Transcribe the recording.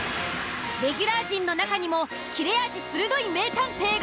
レギュラー陣の中にも切れ味鋭い名探偵が。